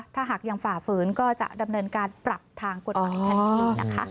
ถ้าหากยังฝ่าฝืนก็จะดำเนินการปรับทางกฎหมายทันทีนะคะ